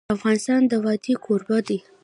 افغانستان د وادي کوربه دی.